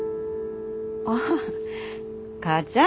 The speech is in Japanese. ああ母ちゃん。